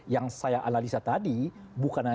yang saya analisa tadi bukan